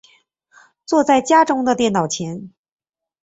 坐在家中的电脑前